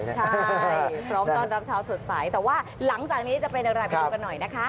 ใช่พร้อมต้อนรับเช้าสดใสแต่ว่าหลังจากนี้จะเป็นอย่างไรไปดูกันหน่อยนะคะ